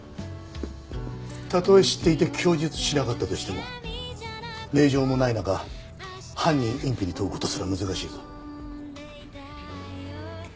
たとえ知っていて供述しなかったとしても令状もない中犯人隠避に問う事すら難しいぞ。